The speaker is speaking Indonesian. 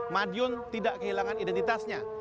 madiun tidak kehilangan identitasnya